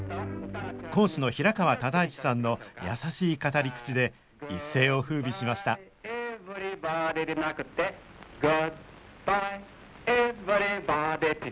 講師の平川唯一さんの優しい語り口で一世をふうびしました「グッバイエヴリバディ」